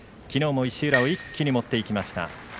きのうも石浦を一気に持っていきました。